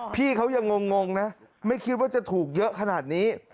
พี่เขายังงงนะไม่คิดว่าจะถูกเยอะขนาดนี้